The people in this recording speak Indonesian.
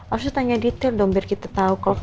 asal tanya detail dong biar kita tau kalo kenapa